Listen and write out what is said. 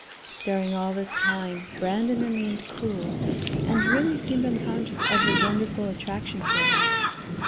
During all this time Brandon remained cool and really seemed unconscious of his wonderful attraction for her.